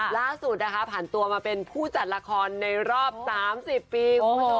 ล่าสุดนะคะผ่านตัวมาเป็นผู้จัดละครในรอบ๓๐ปี